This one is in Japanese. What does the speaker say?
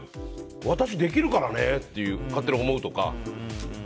私できるからねって勝手に思うとかね。